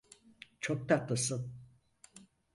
Çok tatlısın.